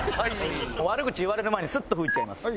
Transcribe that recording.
悪口言われる前にスッと吹いちゃいます。